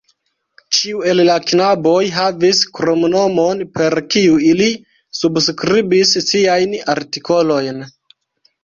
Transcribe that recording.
Ĉiu el la knaboj havis kromnomon, per kiu ili subskribis siajn artikolojn.